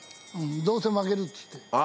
「どうせ負ける」っつって。